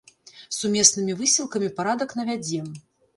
Сумеснымі высілкамі парадак навядзем.